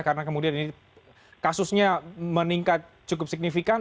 karena kemudian ini kasusnya meningkat cukup signifikan